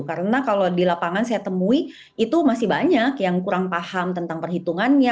karena kalau di lapangan saya temui itu masih banyak yang kurang paham tentang perhitungannya